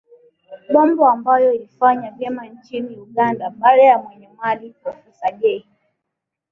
Bombo ambayo ilifanya vyema nchini Uganda Baada ya mwenye mali Porofessor Jay